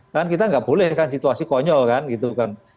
kan kita nggak boleh kan situasi konyol kan gitu kan